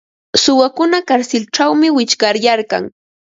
Suwakuna karsilćhawmi wichqaryarkan.